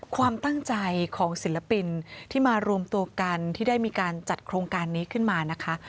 ความตั้งใจของศิลปินที่มารวมตัวกันที่ได้มีการจัดโครงการนี้ขึ้นมานะคะ